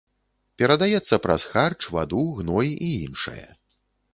Перадаецца праз харч, ваду, гной і іншае.